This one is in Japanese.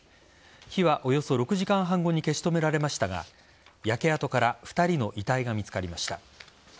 火はおよそ６時間半後に消し止められましたが焼け跡から２人の遺体が見つかりました。